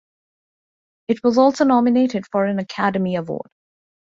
It was also nominated for an Academy Award.